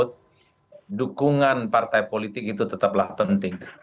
dukungan partai politik itu tetaplah penting